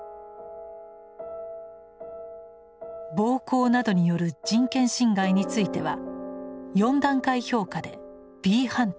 暴行等による人権侵害については４段階評価でｂ判定。